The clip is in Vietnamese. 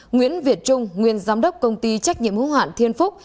nguyễn việt trung nguyên giám đốc công ty trách nhiệm hữu hạn thiên phúc